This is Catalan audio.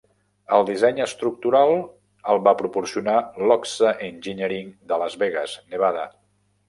El disseny estructural el va proporcionar Lochsa Engineering de Las Vegas, Nevada.